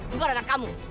bukan anak kamu